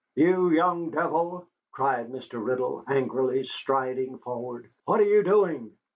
"You young devil," cried Mr. Riddle, angrily, striding forward, "what are you doing?"